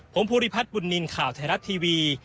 ผมภูริพัฒน์บุญนินทร์ข่าวไทยรัฐทีวี